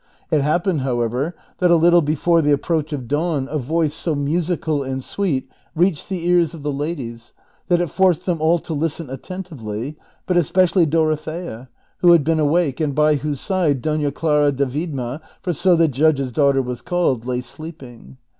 It happened, however, that a little before the approach of dawn a voice so musical and sweet reached the ears of the ladies that it forced them all to listen attentively, but especially Dorothea, who had been awake, and by whose side Doila Clara de Viedma, for so the judge's daughter was called, lay sleeping.